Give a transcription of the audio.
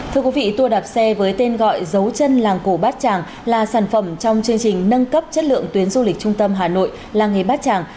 thưa quý vị tour đạp xe với tên gọi dấu chân làng cổ bát tràng là sản phẩm trong chương trình nâng cấp chất lượng tuyến du lịch trung tâm hà nội làng nghề bát tràng